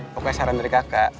pokoknya saran dari kakak